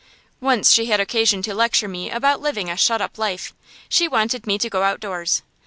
Once she had occasion to lecture me about living a shut up life; she wanted me to go outdoors.